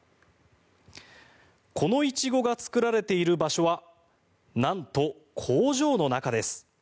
このイチゴが作られている場所はなんと工場の中です。